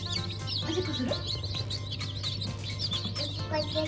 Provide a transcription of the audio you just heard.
おしっこする。